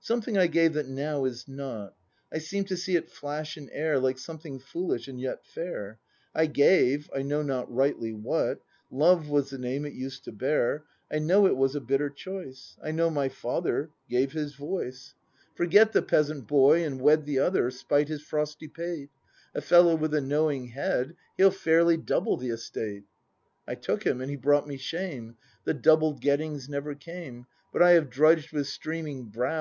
Something I gave that now is not; — I seem to see it flash in air Like something foolish and yet fair; I gave — I know not rightly what; — "Love" was the name it used to bear. — I know it was a bitter choice; I know my father gave his voice; 90 BRAND [ACT ii "Forget the peasant boy and wed The other, 'spite his frosty pate; A fellow with a knowing head, He'll fairly double the estate!" I took him, and he brought me shame. The doubled gettings never came. But I have drudged with streaming brow.